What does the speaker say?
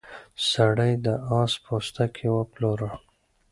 سړي د اس پوستکی وپلوره.